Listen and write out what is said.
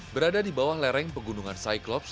berada di bawah lereng pegunungan cyclops